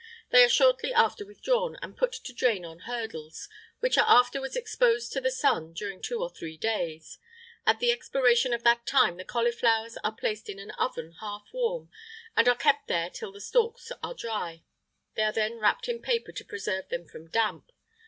They are shortly after withdrawn, and put to drain on hurdles, which are afterwards exposed to the sun during two or three days. At the expiration of that time the cauliflowers are placed in an oven half warm, and are kept there till the stalks are dry; they are then wrapped in paper to preserve them from damp.